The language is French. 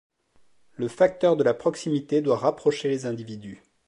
Le facteur de la proximité doit rapprocher les individus.